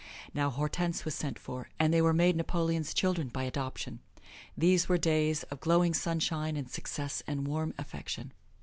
Now Hortense was sent for, and they were made Napoleon's children by adoption. These were days of glowing sunshine and success and warm affection.